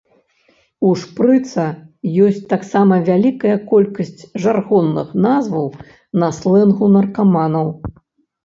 У шпрыца ёсць таксама вялікая колькасць жаргонных назваў на слэнгу наркаманаў.